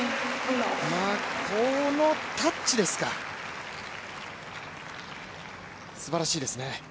このタッチですか、すばらしいですね。